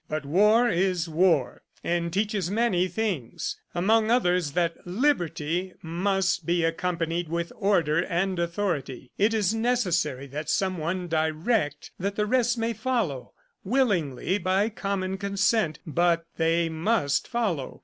"But war is war and teaches many things among others that Liberty must be accompanied with order and authority. It is necessary that someone direct that the rest may follow willingly, by common consent ... but they must follow.